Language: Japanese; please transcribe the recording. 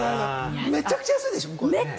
めちゃくちゃ安いでしょ。